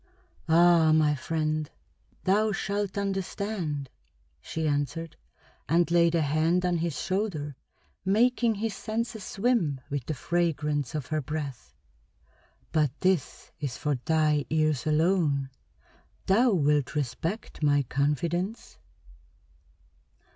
"Ah, my friend, thou shalt understand," she answered, and laid a hand on his shoulder, making his senses swim with the fragrance of her breath. "But this is for thy ears alone. Thou wilt respect my confidence?"